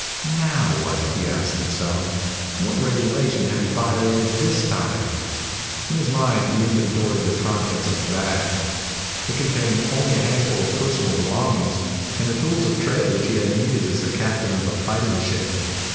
Now what? he asked himself. What regulation had he violated this time? In his mind he inventoried the contents of his bag. It contained only a handful of personal belongings, and the tools of trade which he had needed as a captain of a fighting ship.